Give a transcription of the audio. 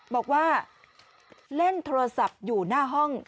บอกว่าเล่นโทรศัพท์อยู่หน้าห้อง